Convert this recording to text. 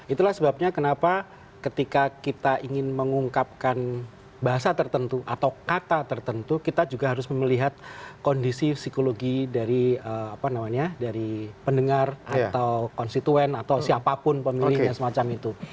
itulah sebabnya kenapa ketika kita ingin mengungkapkan bahasa tertentu atau kata tertentu kita juga harus melihat kondisi psikologi dari pendengar atau konstituen atau siapapun pemilihnya semacam itu